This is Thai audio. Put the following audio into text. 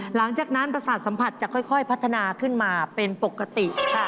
หลังจากนั้นประสาทสัมผัสจะค่อยพัฒนาขึ้นมาเป็นปกติค่ะ